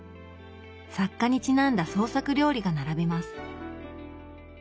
作家にちなんだ創作料理が並びます。